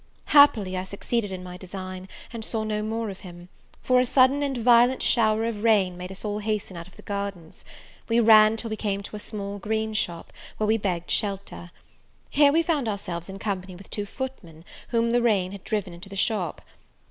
Happily I succeeded in my design, and saw no more of him; for a sudden and violent shower of rain made us all hasten out of the gardens. We ran till we came to a small green shop, where we begged shelter. Here we found ourselves in company with two footmen, whom the rain had driven into the shop.